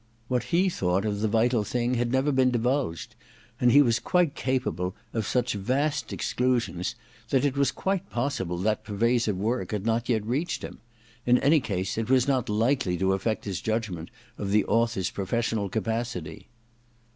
What, he thought of * The Vital Thing ' had never been divu^ed ; and he was capable of such vast 34 THE DESCENT OF MAN vi exclusions that it was quite possible that per vasive work had not yet reached him. In any case, it was not likely to afFect his judgment of the author's professional capacity.